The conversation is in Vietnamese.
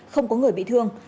không có người bị thương